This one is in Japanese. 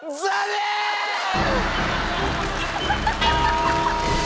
ハハハハ！